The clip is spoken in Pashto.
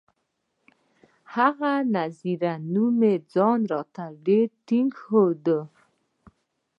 هغه نذير نومي ځان راته ډېر ټينګ ښوده.